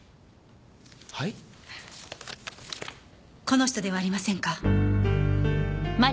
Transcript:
この人ではありませんか？